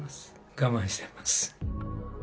我慢してます。